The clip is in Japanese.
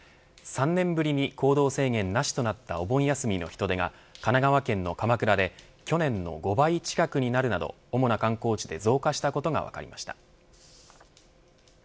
３年ぶりに行動制限なしとなったお盆休みの人出が神奈川県の鎌倉で去年の５倍近くになるなど主な観光地で増加したことが分かりました。